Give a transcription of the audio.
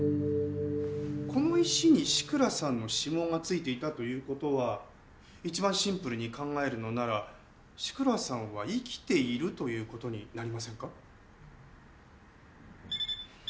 この石に志倉さんの指紋がついていたという事は一番シンプルに考えるのなら志倉さんは生きているという事になりませんか？